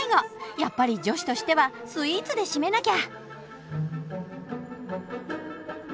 やっぱり女子としてはスイーツで締めなきゃ！